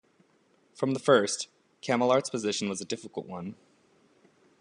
From the first, Chamillart's position was a difficult one.